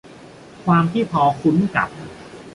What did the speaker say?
ความที่พอคุ้นกับ